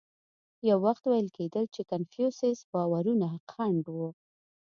یو وخت ویل کېدل چې کنفوسیوس باورونه خنډ و.